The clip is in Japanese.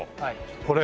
これ。